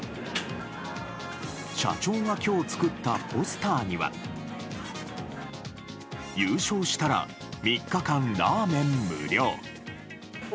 社長が今日作ったポスターには優勝したら３日間ラーメン無料。